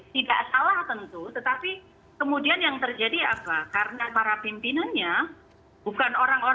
tidak salah tentu saja